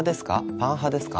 パン派ですか？」